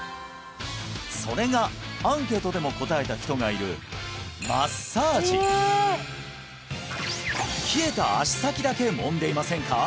それがアンケートでも答えた人がいるマッサージ冷えた足先だけもんでいませんか？